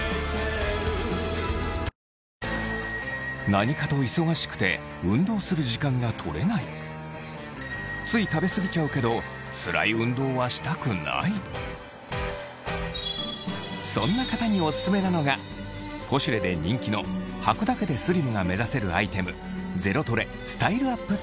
何かと忙しくてつい食べ過ぎちゃうけどつらい運動はしたくないそんな方にお薦めなのが『ポシュレ』で人気の履くだけでスリムが目指せるアイテム